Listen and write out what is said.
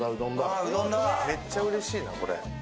めっちゃうれしいな、これ。